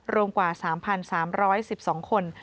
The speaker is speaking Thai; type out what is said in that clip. รวมกว่า๓๓๑๒คน